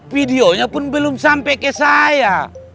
videonya pun belum sampai ke saya